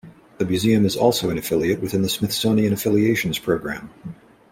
The museum is also an affiliate within the Smithsonian Affiliations program.